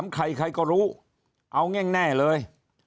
ใครก็รู้เอาง่ายเลย